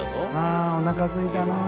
あおなかすいたなあ。